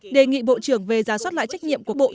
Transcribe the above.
đề nghị bộ trưởng về giá soát lại trách nhiệm của bộ